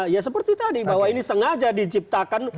ya seperti tadi bahwa ini sengaja diciptakan